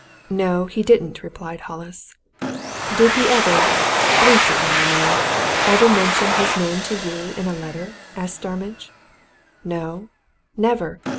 "No, he didn't," replied Hollis. "Did he ever recently, I mean ever mention his name to you in a letter?" asked Starmidge. "No never!